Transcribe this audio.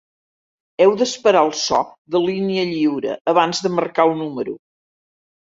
Heu d'esperar el so de línia lliure abans de marcar el número.